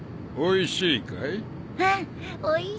おいしいかい？